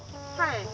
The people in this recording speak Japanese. はい。